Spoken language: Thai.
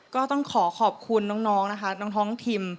ก็ต้องขอขอบคุณน้องนะคะน้องท้องทิม